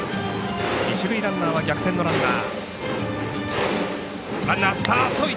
一塁ランナーは逆転のランナー。